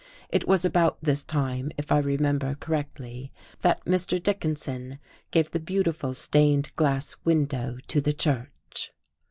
It was about this time, if I remember correctly, that Mr. Dickinson gave the beautiful stained glass window to the church....